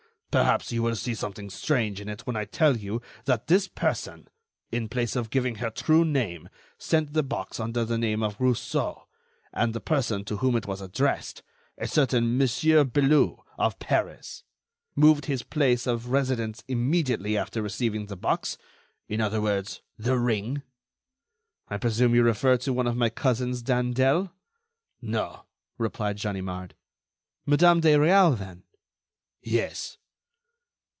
"Perhaps you will see something strange in it when I tell you that this person, in place of giving her true name, sent the box under the name of Rousseau, and the person to whom it was addressed, a certain Monsieur Beloux of Paris, moved his place of residence immediately after receiving the box, in other words, the ring." "I presume you refer to one of my cousins d'Andelle?" "No," replied Ganimard. "Madame de Réal, then?" "Yes."